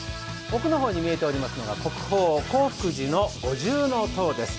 奥の方に見えておりますのが国宝興福寺の五重搭です。